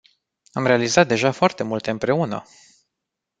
Am realizat deja foarte multe împreună.